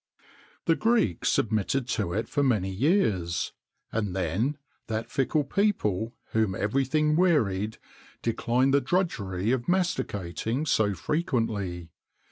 The Greeks submitted to it for many years;[XXIX 25] and then, that fickle people, whom everything wearied, declined the drudgery of masticating so frequently.